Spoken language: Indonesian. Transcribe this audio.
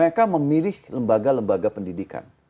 kadang kadang mereka memilih lembaga lembaga pendidikan